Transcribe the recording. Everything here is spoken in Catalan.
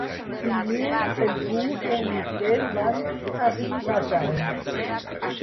Dilluns en Bru i en Miquel van a Ribesalbes.